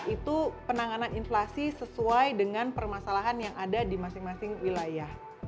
itu penanganan inflasi sesuai dengan permasalahan yang ada di masing masing wilayah